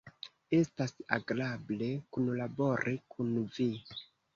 Estas agrable kunlabori kun vi.